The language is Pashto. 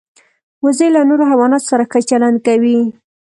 وزې له نورو حیواناتو سره ښه چلند کوي